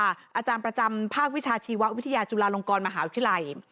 อาจารย์ประจำภาควิชาชีววิทยาจุฬาลงกรมหาวิทยาลัย